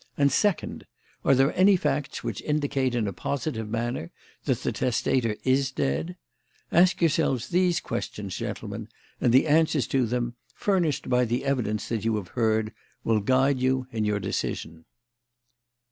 and second, Are there any facts which indicate in a positive manner that the testator is dead? Ask yourselves these questions, gentlemen, and the answers to them, furnished by the evidence that you have heard, will guide you to your decision."